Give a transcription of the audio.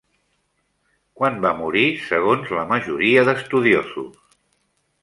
Quan va morir segons la majoria d'estudiosos?